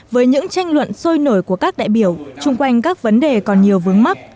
với những tranh luận sôi nổi của các đại biểu chung quanh các vấn đề còn nhiều vướng mắt